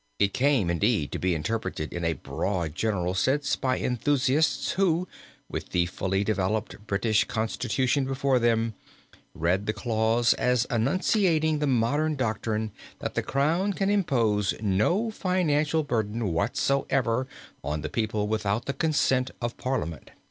It came indeed to be interpreted in a broad general sense by enthusiasts who, with the fully developed British constitution before them, read the clause as enunciating the modern doctrine that the Crown can impose no financial burden whatsoever on the people without consent of Parliament."